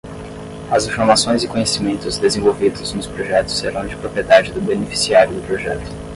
As informações e conhecimentos desenvolvidos nos projetos serão de propriedade do beneficiário do projeto.